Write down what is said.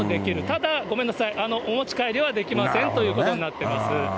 ただ、ごめんなさい、お持ち帰りはできませんということになってます。